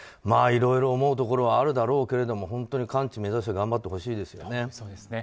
いろいろ思うところはあるだろうけど本当に完治目指して頑張ってほしいですよね。